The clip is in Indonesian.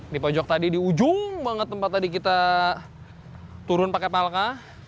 di pojok tadi di ujung banget tempat tadi kita turun pakai palka